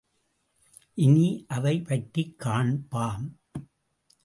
இனி அவை பற்றிக் காண்பாம்.